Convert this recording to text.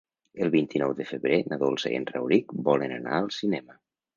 El vint-i-nou de febrer na Dolça i en Rauric volen anar al cinema.